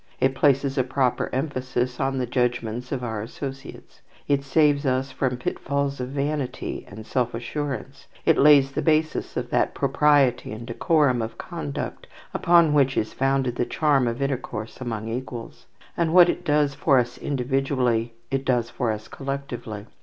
It places a proper emphasis on the judgments of our associates, it saves us from pitfalls of vanity and self assurance, it lays the basis of that propriety and decorum of conduct upon which is founded the charm of intercourse among equals. And what it does for us individually, it does for us collectively.